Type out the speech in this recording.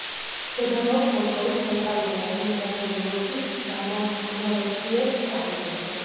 მდებარეობს მოსკოვის ცენტრალური ადმინისტრაციული ოლქის ზამოსკვორეჩიეს რაიონში.